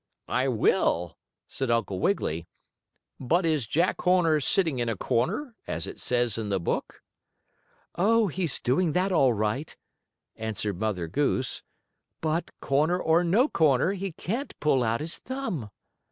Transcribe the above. "I will," said Uncle Wiggily. "But is Jack Horner sitting in a corner, as it says in the book?" "Oh, he's doing that all right," answered Mother Goose. "But, corner or no corner, he can't pull out his thumb."